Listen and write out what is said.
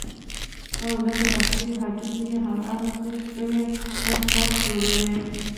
او لکه اصلي هډوکي يې هماغسې ښوى او صاف جوړوي.